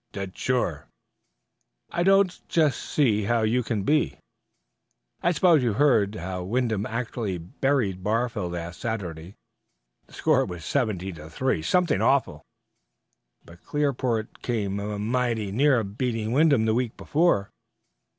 "Dead sure." "I don't just see how you can be." "I suppose you've heard how Wyndham actually buried Barville last Saturday. The score was seventeen to three something awful." "But Clearport came mum mighty near beating Wyndham the week before."